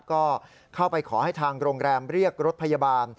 ก็เข้าไปขอให้ทางโรงแรมเรียกรถพยาบาล